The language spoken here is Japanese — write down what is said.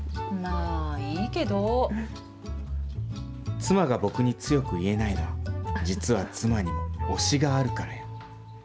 妻が僕に強く言えないのは、実は妻にも推しがあるからや。